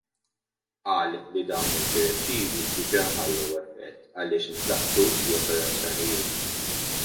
Qal li dawn id-direttivi diġa' ħallew effett għaliex intlaqtu xi operazzjonijiet.